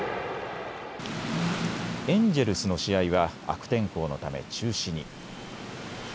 エンジェルスの試合は悪天候のため中止に。